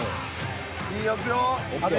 いいよ。いくよ。